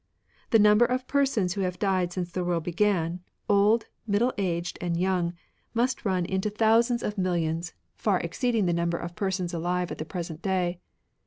. The number of persons who have died since the world began, old, middle aged, and young, must run into thousands of 52 MATERIALISM millions, far exceeding the number of persons alive at the present day.